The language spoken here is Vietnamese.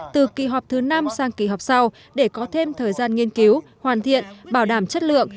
từ kỳ họp thứ năm sang kỳ họp sau để có thêm thời gian nghiên cứu hoàn thiện bảo đảm chất lượng